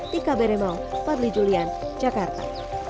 tika beremo pabli julian jakarta